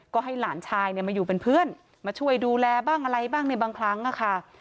ก็ให้หลานชายมาอยู่เป็นเพื่อนมาช่วยดูแลบ้างอะไรบ้างในบางครั้งค่ะ